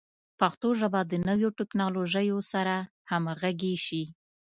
پښتو ژبه د نویو ټکنالوژیو سره همغږي شي.